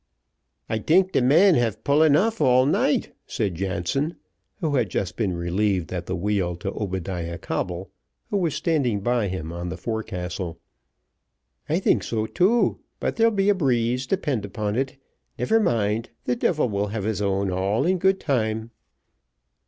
"I tink de men have pull enough all night," said Jansen, who had just been relieved at the wheel, to Obadiah Coble, who was standing by him on the forecastle. "I think so too: but there'll be a breeze, depend upon it never mind, the devil will have his own all in good time."